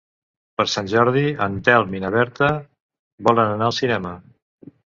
Per Sant Jordi en Telm i na Berta volen anar al cinema.